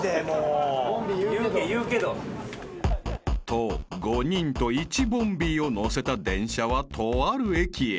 ［と５人と１ボンビーを乗せた電車はとある駅へ］